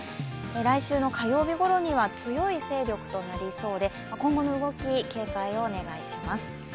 来週の火曜日ごろには強い勢力となりそうで、今後の動き、警戒をお願いします。